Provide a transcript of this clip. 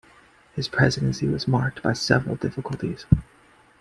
His presidency was marked by several difficulties.